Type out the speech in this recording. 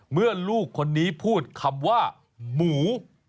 ลูกคนนี้พูดคำว่าหมู